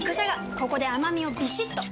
ここで甘みをビシッと！